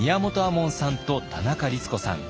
門さんと田中律子さん。